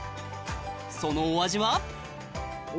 そのお味は？